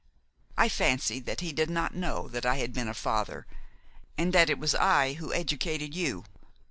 I fancy that he did not know that I had been a father, and that it was I who educated you.